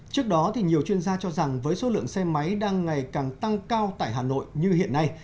trước đó nhiều chuyên gia cho rằng với số lượng xe máy đang ngày càng tăng cao tại hà nội như hiện nay